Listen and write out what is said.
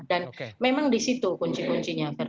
dan memang di situ kunci kuncinya